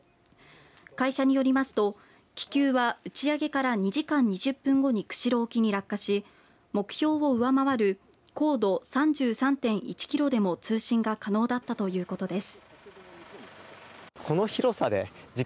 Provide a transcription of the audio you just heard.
会社によりますと、気球は打ち上げから２時間２０分後に釧路沖に落下し目標を上回る高度３３．１キロでも通信が可能だったということです。